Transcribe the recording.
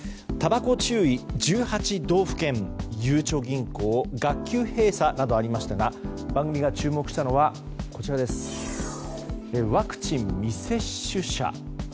たばこ注意、１８道府県ゆうちょ銀行、学級閉鎖などがありましたが番組が注目したのはワクチン未接種者。